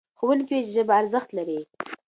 ښوونکي وویل چې ژبه ارزښت لري.